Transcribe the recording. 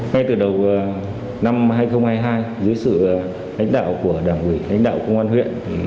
ngay từ đầu năm hai nghìn hai mươi hai dưới sự hãnh đạo của đảng quỷ hãnh đạo của công an huyện